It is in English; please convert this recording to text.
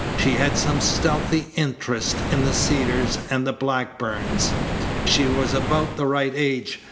She had some stealthy interest in the Cedars and the Blackburns. She was about the right age.